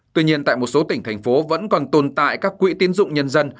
tuy nhiên tại một số tỉnh thành phố vẫn còn tồn tại các quỹ tiến dụng nhân dân